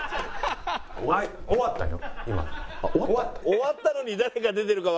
終わったのに誰が出てるかわからない。